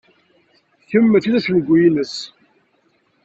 Kemm mačči d tacengut-ines.